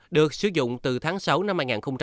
được sử dụng từ tháng sáu năm hai nghìn hai mươi